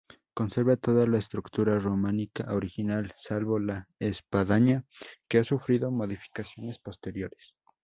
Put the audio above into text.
Conserva toda la estructura románica original, salvo la espadaña que ha sufrido modificaciones posteriores.